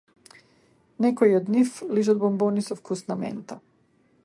Некои од нив лижат бонбони со вкус на мента.